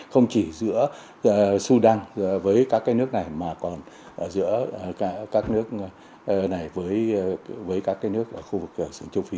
không chỉ giữa surang với các cái nước này mà còn giữa các nước này với các cái nước khu vực sừng châu phi